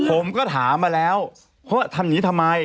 ผมก็ถามมาแล้วเพราะว่าทำหนีทำไม